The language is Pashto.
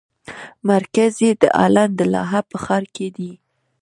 مرکز یې د هالنډ د لاهه په ښار کې دی.